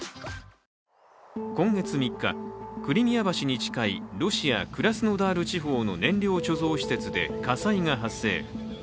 今月３日、クリミア橋に近いロシア・クラスノダール地方の燃料貯蔵施設で火災が発生。